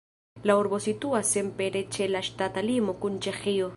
La urbo situas senpere ĉe la ŝtata limo kun Ĉeĥio.